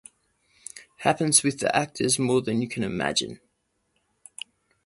Happens with actors more than you can imagine.